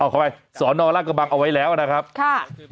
เอาเข้าไปสวนรักบังเอาไว้แล้วนะครับค่ะ